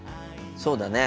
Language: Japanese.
そうだね。